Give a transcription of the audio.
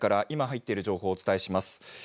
今入っている情報をお伝えします。